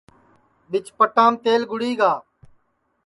بیچ پٹام تیل کُھٹی گا